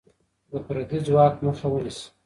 د پردی ځواک مخه ونیسه.